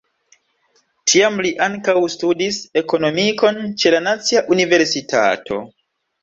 Tiam li ankaŭ studis Ekonomikon ĉe la Nacia Universitato.